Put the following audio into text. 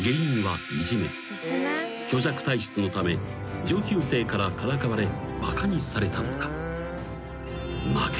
［虚弱体質のため上級生からからかわれバカにされたのだ］